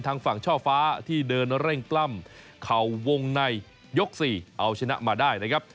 ทางฝั่งช่อฟ้าที่เดินเร่งปล้ำเข่าวงในยก๔เอาชนะมาได้นะครับ